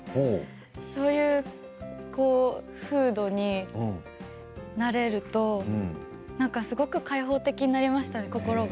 そういう風土に慣れるとすごく開放的になりましたね心が。